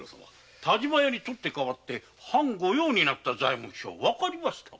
田島屋の代わりに藩御用になった材木商はわかりましたか？